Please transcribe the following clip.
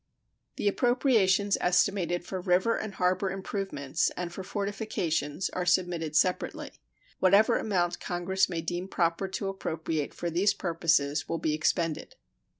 The appropriations estimated for river and harbor improvements and for fortifications are submitted separately. Whatever amount Congress may deem proper to appropriate for these purposes will be expended.